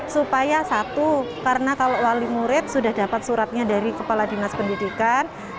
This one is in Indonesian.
supaya satu karena kalau wali murid sudah dapat suratnya dari kepala dinas pendidikan